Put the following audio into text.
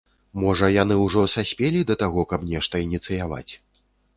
Можа, яны ўжо саспелі да таго, каб нешта ініцыяваць?